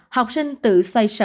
học sinh tự xoay sở